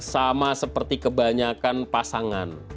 sama seperti kebanyakan pasangan